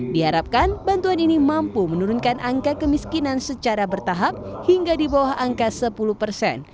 diharapkan bantuan ini mampu menurunkan angka kemiskinan secara bertahap hingga di bawah angka sepuluh persen